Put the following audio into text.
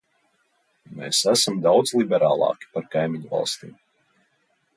Mēs esam daudz liberālāki par kaimiņu valstīm.